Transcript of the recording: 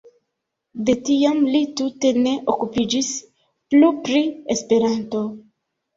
De tiam li tute ne okupiĝis plu pri Esperanto.